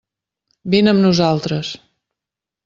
Vine amb nosaltres.